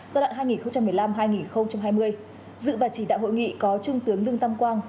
giai đoạn hai nghìn một mươi năm hai nghìn hai mươi dự và chỉ đạo hội nghị có trung tướng lương tam quang